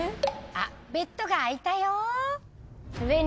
あっベッドが開いたよ。